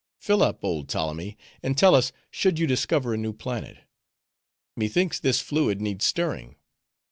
Fill up, old Ptolemy, and tell us should you discover a new planet. Methinks this fluid needs stirring.